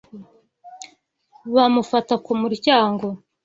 Bamufata ku muryango.